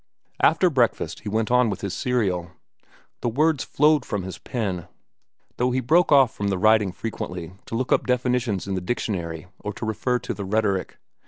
After breakfast he went on with his serial. The words flowed from his pen, though he broke off from the writing frequently to look up definitions in the dictionary or to refer to the rhetoric.